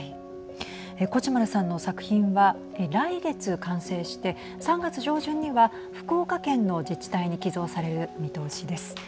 コチュマルさんの作品は来月完成して３月上旬には福岡県の自治体に寄贈される見通しです。